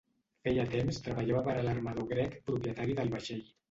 Feia temps treballava per a l’armador grec propietari del vaixell.